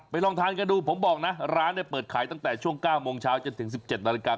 ลองทานกันดูผมบอกนะร้านเนี่ยเปิดขายตั้งแต่ช่วง๙โมงเช้าจนถึง๑๗นาฬิกา